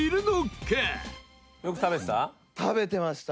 トシ：よく食べてた？